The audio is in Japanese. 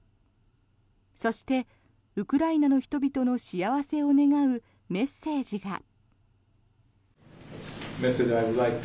そして、ウクライナの人々の幸せを願うメッセージが。